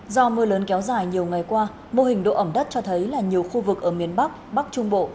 do mưa lớn kéo dài nhiều ngày qua mô hình độ ẩm đất cho thấy là nhiều khu vực ở miền bắc bắc trung bộ